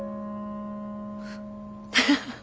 ハハハハ。